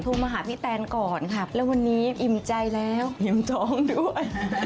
มาหาพี่แตนก่อนครับแล้ววันนี้อิ่มใจแล้วอิ่มท้องด้วย